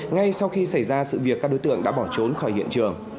ngay sau khi xảy ra sự việc các đối tượng đã bỏ trốn khỏi hiện trường